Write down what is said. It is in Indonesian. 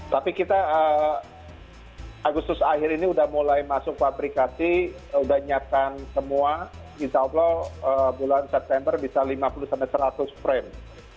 tapi kita agustus akhir ini udah mulai masuk pabrikasi sudah menyiapkan semua insya allah bulan september bisa lima puluh seratus frame